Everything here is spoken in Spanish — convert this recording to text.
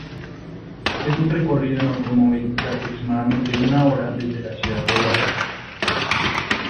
Es un recorrido en automóvil de aproximadamente una hora desde la ciudad de Oaxaca.